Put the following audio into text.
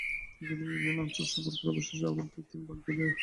তিনি পৃথিবীর বিভিন্ন অঞ্চল সফর করে অবশেষে আবার তিনি বাগদাদে